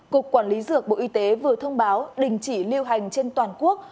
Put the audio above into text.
cục quản lý dược bộ y tế vừa thông báo đình chỉ lưu hành trên toàn quốc